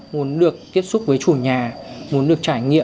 muốn được tiếp xúc với chủ nhà muốn được trải nghiệm